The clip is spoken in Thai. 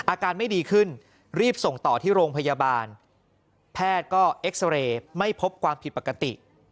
อาการไม่ดีขึ้นรีบส่งต่อที่โรงพยาบาลแพทย์ก็เอ็กซาเรย์ไม่พบความผิดปกติ